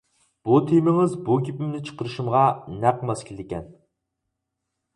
بۇ تېمىڭىز بۇ گېپىمنى چىقىرىشىمغا نەق ماس كېلىدىكەن.